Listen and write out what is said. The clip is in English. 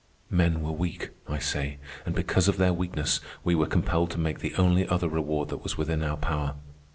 Men were weak, I say, and because of their weakness we were compelled to make the only other reward that was within our power.